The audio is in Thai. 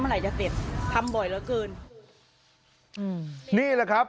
ไหรจะติดทำบ่อยเหลือเกินอืมนี่แหละครับ